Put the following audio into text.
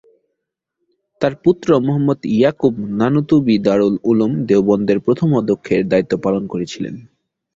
তাঁর পুত্র মুহাম্মদ ইয়াকুব নানুতুবি দারুল উলুম দেওবন্দের প্রথম অধ্যক্ষের দায়িত্ব পালন করেছিলেন।